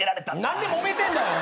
何でもめてんだよ！？